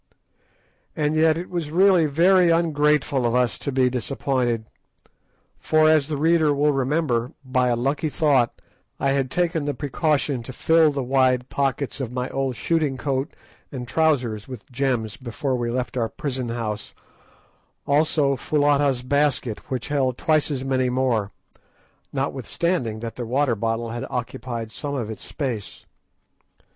And yet it was really very ungrateful of us to be disappointed; for, as the reader will remember, by a lucky thought, I had taken the precaution to fill the wide pockets of my old shooting coat and trousers with gems before we left our prison house, also Foulata's basket, which held twice as many more, notwithstanding that the water bottle had occupied some of its space.